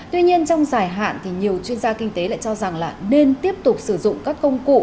tuy nhiên trong dài hạn thì nhiều chuyên gia kinh tế lại cho rằng là nên tiếp tục sử dụng các công cụ